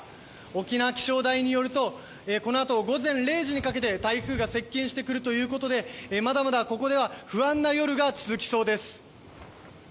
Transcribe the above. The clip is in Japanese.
沖縄気象台によるとこのあと午前０時にかけて台風が接近してくるということでまだまだここでは不安な夜が続きそうです。